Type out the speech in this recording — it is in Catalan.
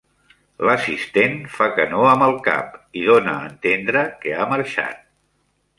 L'assistent fa que no amb el cap i dona a entendre que ha marxat.